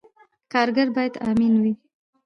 کارګر باید امین وي